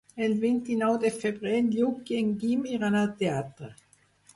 El vint-i-nou de febrer en Lluc i en Guim iran al teatre.